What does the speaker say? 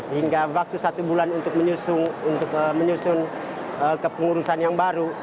sehingga waktu satu bulan untuk menyusun kepengurusan yang baru